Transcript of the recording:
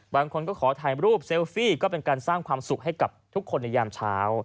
บางคนก็ขอถ่ายรูปเซลฟี่ก็เป็นการสร้างความสุขให้กับทุกคนในยามเช้า